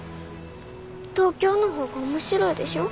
東京の方が面白いでしょ？